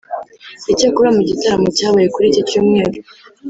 Icyakora mu gitaramo cyabaye kuri iki cyumweru